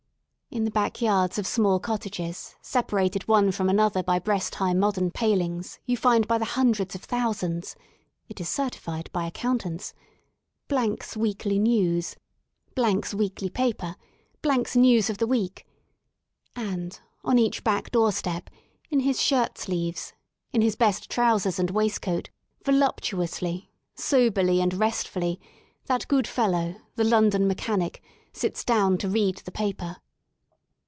In the back yards of small cottages, separated one from another by breast high modern palings you find by the hundreds of thousands (it is certified by accountants) 's Weekly News; 's Weekly Paper; 's News of the Week; and, on each back doorstep, in his shirt sleeves, in his best trousers and waistcoat, voluptu ously, soberly and restfully, that good fellow, the London mechanic, sits down to read the paper.